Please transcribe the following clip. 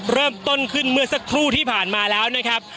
เริ่มต้นขึ้นเมื่อสักครู่ที่ผ่านมาแล้วนะครับ